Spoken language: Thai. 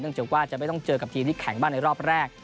จากว่าจะไม่ต้องเจอกับทีมที่แข่งบ้างในรอบแรก